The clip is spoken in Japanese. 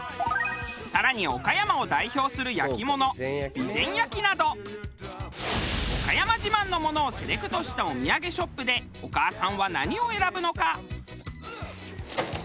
更に岡山を代表する焼き物備前焼など岡山自慢のものをセレクトしたお土産ショップでお母さんは何を選ぶのか？